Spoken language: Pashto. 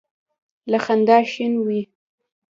له خندا شین وي.